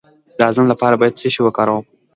د هضم لپاره باید څه شی وکاروم؟